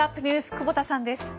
久保田さんです。